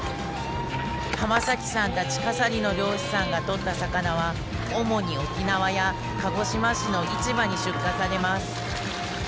濱崎さんたち笠利の漁師さんが取った魚は主に沖縄や鹿児島市の市場に出荷されます。